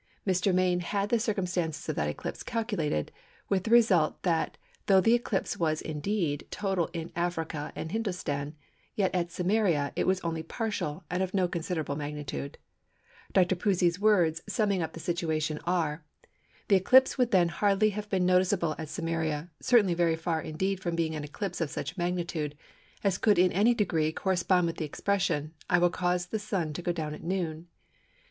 Mr. Main had the circumstances of that eclipse calculated, with the result that though the eclipse was indeed total in Africa and Hindostan, yet at Samaria it was only partial and of no considerable magnitude. Dr. Pusey's words, summing up the situation are:—"The eclipse then would hardly have been noticeable at Samaria, certainly very far indeed from being an eclipse of such magnitude, as could in any degree correspond with the expression, 'I will cause the Sun to go down at noon.